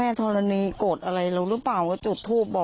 อะไรครับ